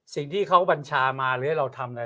สิ่งที่เขาบัญชามาหรือเราทำอะไร